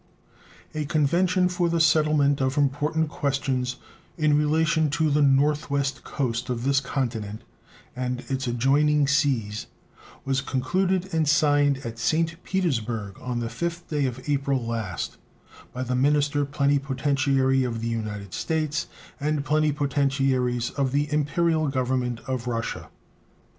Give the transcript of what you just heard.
A convention for the settlement of important questions in relation to the North West coast of this continent and its adjoining seas was concluded and signed at St. Petersburg on the 5th day of April last by the minister plenipotentiary of the United States and plenipotentiaries of the Imperial Government of Russia.